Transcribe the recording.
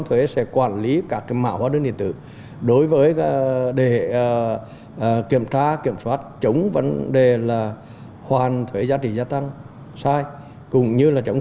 học kích hoạt hệ thống